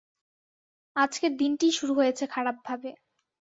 আজকের দিনটিই শুরু হয়েছে খারাপভাবে।